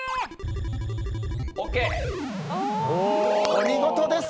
お見事です！